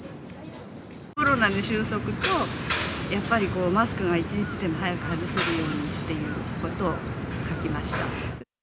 コロナの終息と、やっぱりマスクが一日でも早く外せるようにっていうことを書きま